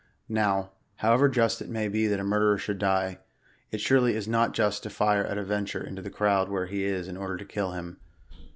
Now, however just it may be that a murderer should die, it surely is not just to fire at a venture into the crowd where he is, in order to kill him.